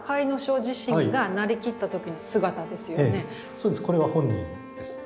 そうですこれは本人ですね。